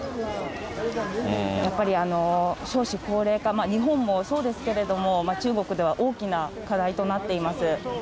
やっぱり少子高齢化、日本もそうですけれども、中国では大きな課題となっています。